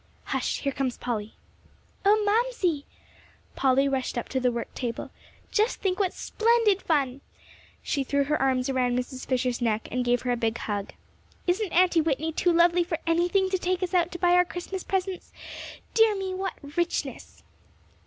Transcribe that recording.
"Hush! Here comes Polly!" "Oh, Mamsie!" Polly rushed up to the work table. "Just think what splendid fun!" She threw her arms around Mrs. Fisher's neck and gave her a big hug. "Isn't Aunty Whitney too lovely for anything to take us out to buy our Christmas presents? Dear me! What richness!"